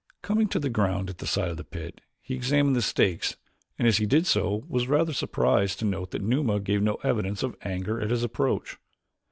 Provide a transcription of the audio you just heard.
Coming to the ground at the side of the pit, he examined the stakes and as he did so was rather surprised to note that Numa gave no evidence of anger at his approach.